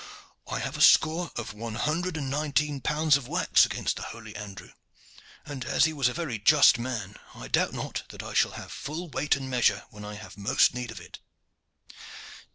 I have a score of one hundred and nineteen pounds of wax against the holy Andrew, and, as he was a very just man, I doubt not that I shall have full weigh and measure when I have most need of it."